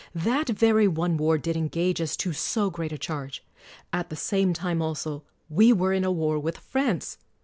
That very one war did engage us to so great a charge. At the same time also we were in a war with France.